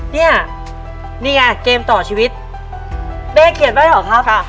นี่นี่ไงเกมต่อชีวิตเด้เกียรติได้ป่ะครับค่ะ